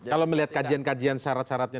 kalau melihat kajian kajian syarat syaratnya